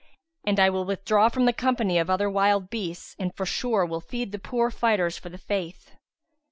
And I will withdraw from the company of other wild beasts and forsure will I feed the poor fighters for the Faith."